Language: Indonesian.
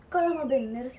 kok lama bener sih